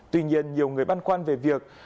tuy nhiên nhiều người băn khoăn về việc